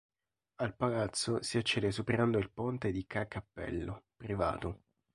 Al palazzo si accede superando il Ponte di Ca' Cappello, privato.